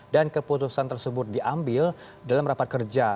dan keputusan tersebut diambil dalam rapat kerja